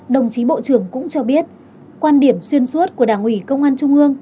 đồng chí bộ trưởng cũng cho biết quan điểm xuyên suốt của đảng ủy công an trung ương